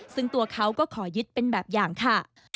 ซึ่งตัวเขาก็ขอยึดเป็นแบบอย่างค่ะ